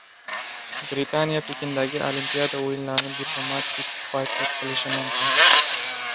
Britaniya Pekindagi Olimpiada o‘yinlarini diplomatik boykot qilishi mumkin